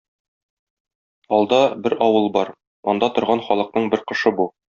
Алда бер авыл бар, анда торган халыкның бер кошы бу.